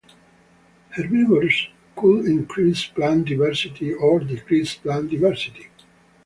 Herbivores could increase plant diversity or decrease plant diversity.